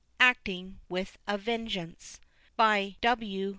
ACTING WITH A VENGEANCE. W.